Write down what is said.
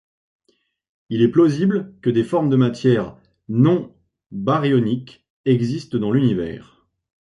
Il est plausible que des formes de matière non baryoniques existent dans l'Univers.